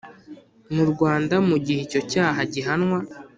mu Rwanda mu gihe icyo cyaha gihanwa